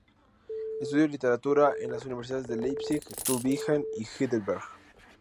Estudió literatura en las universidades de Leipzig, Tübingen y Heidelberg.